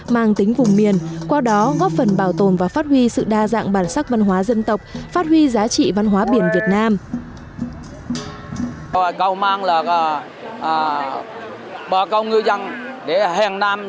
mang tính vùng miền qua đó góp phần bảo tồn và phát huy sự đa dạng bản sắc văn hóa dân tộc phát huy giá trị văn hóa biển việt nam